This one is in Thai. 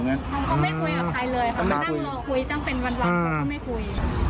มันตั้งรอคุยตั้งเป็นวันร้อนเขาก็ไม่คุย